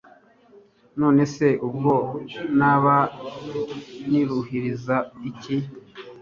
none se ubwo naba niruhiriza iki